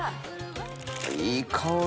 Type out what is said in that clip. いい香り。